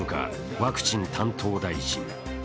ワクチン担当大臣。